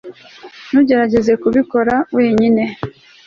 ntugerageze kubikora wenyine